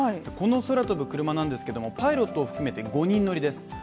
この空飛ぶクルマなんですがパイロットも含めて５人乗りです。